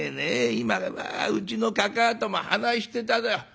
今うちのかかあとも話してただ。